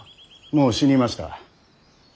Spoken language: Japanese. もう死にました。